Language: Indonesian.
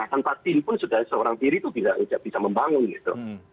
tanpa tim pun sudah seorang diri itu bisa membangun gitu